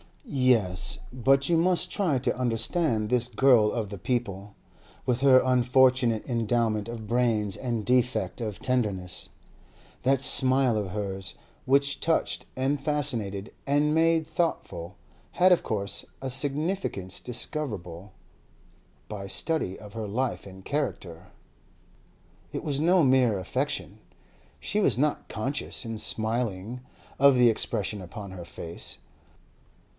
Yes; but you must try to understand this girl of the people, with her unfortunate endowment of brains and defect of tenderness. That smile of hers, which touched and fascinated and made thoughtful, had of course a significance discoverable by study of her life and character. It was no mere affectation; she was not conscious, in smiling, of the expression upon her face.